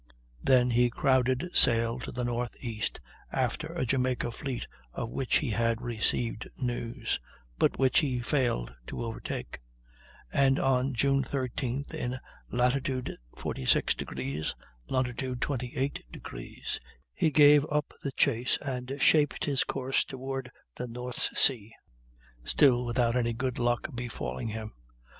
Then he crowded sail to the northeast after a Jamaica fleet of which he had received news, but which he failed to overtake, and on June 13th, in lat. 46°, long. 28°, he gave up the chase and shaped his course toward the North Sea, still without any good luck befalling him.